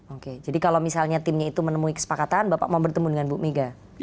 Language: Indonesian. oke jadi kalau misalnya timnya itu menemui kesepakatan bapak mau bertemu dengan bu mega